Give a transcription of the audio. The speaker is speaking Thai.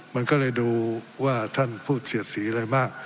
มันก็เลยดูว่าท่านพูดเสียดสีอะไรมาก